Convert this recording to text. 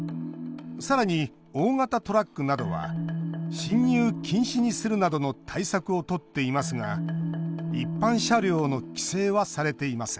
さらに大型トラックなどは進入禁止にするなどの対策をとっていますが一般車両の規制はされていません。